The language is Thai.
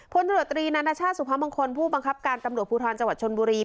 พลตรวจตรีนานาชาติสุพมงคลผู้บังคับการตำรวจภูทรจังหวัดชนบุรี